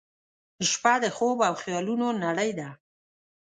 • شپه د خوب او خیالونو نړۍ ده.